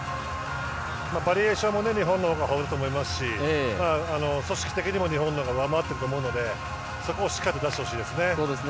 バリエーションも日本のほうが多いと思いますし組織的にも日本のほうが上回ってると思うのでそこをしっかりと出してほしいですね。